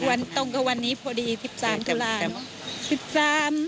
วันตรงกับวันนี้พอดี๑๓ตุลาคม